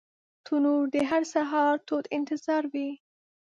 تنور د هر سهار تود انتظار وي